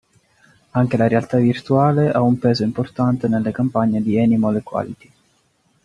Anche la realtà virtuale ha un peso importante nelle campagne di Animal Equality.